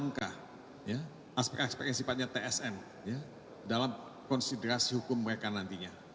mk aspek aspek yang sifatnya tsm dalam konsiderasi hukum mereka nantinya